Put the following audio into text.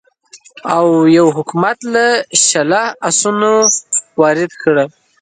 اویو حکومت له شله اسونه وارد کړل.